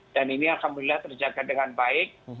dan ini alhamdulillah terjaga dengan baik